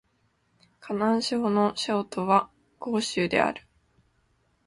河南省の省都は鄭州である